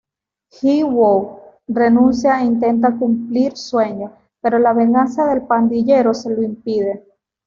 Ji-wook renuncia e intenta cumplir sueño, pero la venganza del pandillero se lo impide.